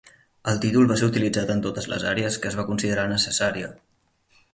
El títol va ser utilitzat en totes les àrees que es va considerar necessària.